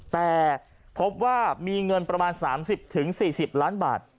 แต่พบว่ามีเงินประมาณ๓๐๔๐ล้านบาท